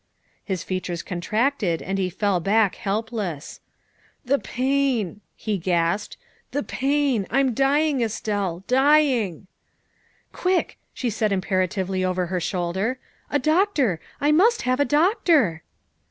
'' His features contracted and he fell back helpless. " The pain," he gasped, " the pain. I'm dying, Estelle, dying." " Quick," she said imperatively over her shoulder, '' a doctor ; I must have a doctor.